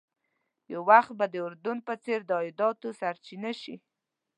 یو وخت به د اردن په څېر د عایداتو سرچینه شي.